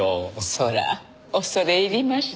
そら恐れ入りました。